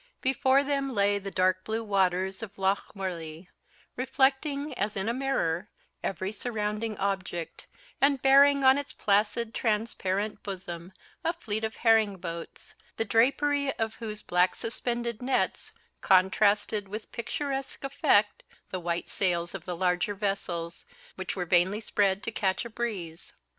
Before them lay the dark blue waters of Lochmarlie, reflecting, as in a mirror, every surrounding object, and bearing on its placid transparent bosom a fleet of herring boats, the drapery of whose black suspended nets contrasted with picturesque effect the white sails of the larger vessels, which were vainly spread to catch a breeze.